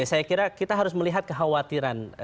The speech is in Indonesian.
saya kira kita harus melihat kekhawatiran